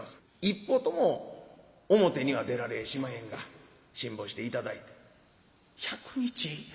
一歩とも表には出られやしまへんが辛抱して頂いて」。